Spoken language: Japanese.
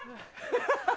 ハハハ！